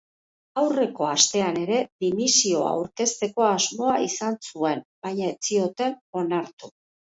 Aurreko astean ere dimisioa aurkezteko asmoa izan zuen, baina ez zioten onartu.